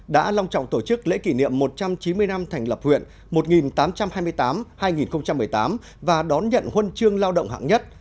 đã long trọng tổ chức lễ kỷ niệm một trăm chín mươi năm thành lập huyện một nghìn tám trăm hai mươi tám hai nghìn một mươi tám và đón nhận huân chương lao động hạng nhất